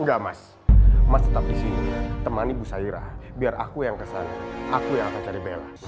enggak mas mas tetap disini temani ibu syairah biar aku yang kesana aku yang akan cari bella